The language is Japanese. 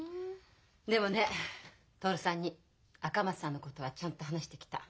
でもねえ徹さんに赤松さんのことはちゃんと話してきた。